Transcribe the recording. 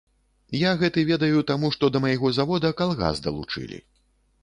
Я гэты ведаю таму, што да майго завода калгас далучылі.